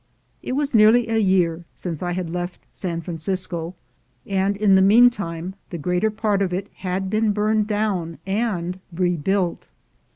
It wa3 nearly a year since I had left San Francisco, and in the mean DOWN WITH THE FLOOD 269 time the greater part of it had been burned down and rebuilt.